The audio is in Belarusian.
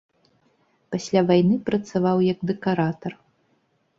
Пасля вайны працаваў як дэкаратар.